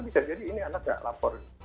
bisa jadi ini anak nggak lapor